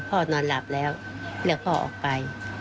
พ่อนอนหลับแล้วเรียกพ่อออกไป